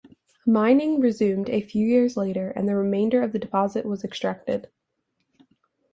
Mining resumed a few years later and the remainder of the deposit was extracted.